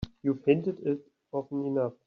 You've hinted it often enough.